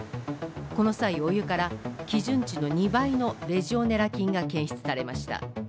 この際、お湯から基準値の２倍のレジオネラ菌が検出されました。